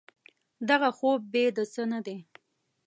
دغه خوب بې د څه نه دی.